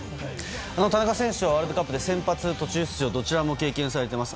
田中選手はワールドカップで先発と途中出場どちらも経験されています。